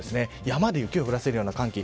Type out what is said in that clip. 山で雪を降らせるような寒気。